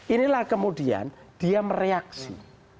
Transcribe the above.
inilah kemudian dia mereaksi